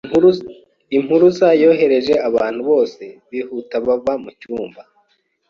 Impuruza yohereje abantu bose bihuta bava mucyumba.